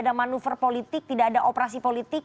ada manuver politik tidak ada operasi politik